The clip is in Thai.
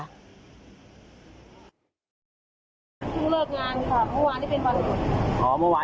อ๋อแล้วก็มีรถมาเขียนจำ